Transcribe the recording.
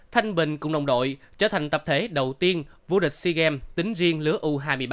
thanh bình cùng đồng đội trở thành tập thể đầu tiên vô địch sea games tính riêng lứa u hai mươi ba